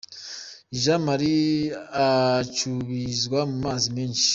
Jean Marie acubizwa mu mazi menshi.